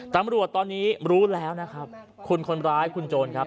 ตำรวจตอนนี้รู้แล้วนะครับคุณคนร้ายคุณโจรครับ